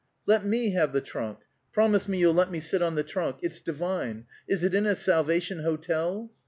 "Let me have the trunk! Promise me you'll let me sit on the trunk. It's divine! Is it in a Salvation Hotel?"